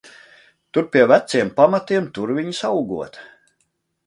Tur pie veciem pamatiem, tur viņas augot.